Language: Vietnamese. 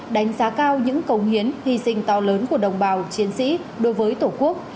đánh giá cao những công hiến hy sinh to lớn của đồng bào chiến sĩ đối với tổ quốc